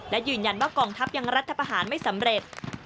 และยืนยันว่ากองทัพยังรัฐประหารไม่สำเร็จ